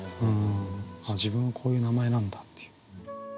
あっ自分はこういう名前なんだっていう。